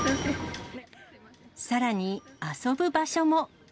さらに、遊ぶ場所も。